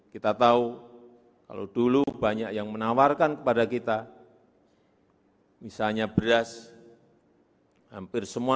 kita tahu kalau dulu banyak yang menawarkan kepada kita misalnya beras hampir semua